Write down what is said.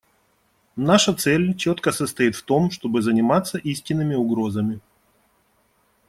Наша цель четко состоит в том, чтобы заниматься истинными угрозами.